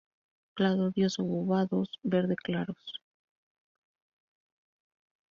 Cladodios obovados, verde claros.